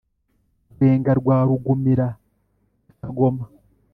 rwenga rwa rugumira na kagoma